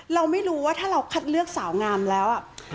เราไม่รู้ว่าถ้าเราคัดเลือกสาวงามแล้ว